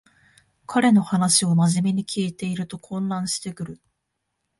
彼の話をまじめに聞いてると混乱してくる